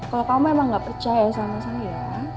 kalau kamu emang gak percaya sama saya